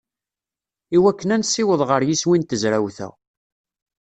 I wakken ad nessiweḍ ɣer yiswi n tezrawt-a.